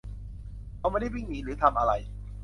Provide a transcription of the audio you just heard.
เขาไม่ได้วิ่งหนีหรือทำอะไร